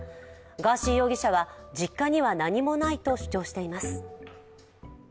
ガーシー容疑者は、実家には何もないと主張しています。